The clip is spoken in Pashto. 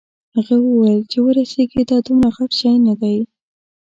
هغه وویل چې ورسیږې دا دومره غټ شی نه دی.